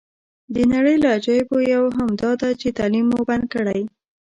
د نړۍ له عجایبو یوه هم داده چې تعلیم مو بند کړی.